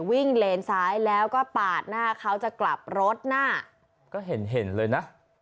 วิ่งเลนซ้ายแล้วก็ปาดหน้าเขาจะกลับรถหน้า